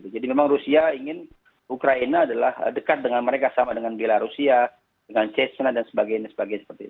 jadi memang rusia ingin ukraina adalah dekat dengan mereka sama dengan bila rusia dengan cezna dan sebagainya